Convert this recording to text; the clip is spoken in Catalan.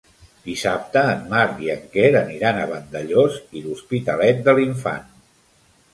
Dissabte en Marc i en Quer aniran a Vandellòs i l'Hospitalet de l'Infant.